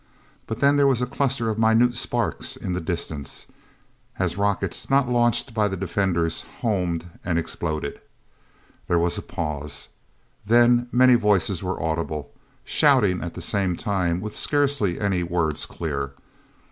But then there was a cluster of minute sparks in the distance, as rockets, not launched by the defenders, homed and exploded. There was a pause. Then many voices were audible, shouting at the same time, with scarcely any words clear...